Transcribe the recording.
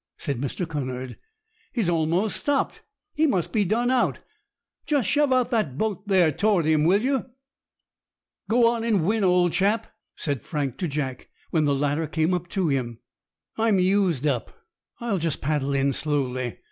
said Mr. Cunard. "He has almost stopped. He must be done out. Just shove out that boat there toward him, will you?" "Go on and win, old chap," said Frank to Jack, when the latter came up to him. "I'm used up. I'll just paddle in slowly.